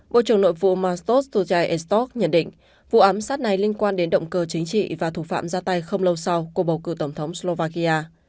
bộ trưởng nội vụ mastos tuji ethok nhận định vụ ám sát này liên quan đến động cơ chính trị và thủ phạm ra tay không lâu sau cuộc bầu cử tổng thống slovakia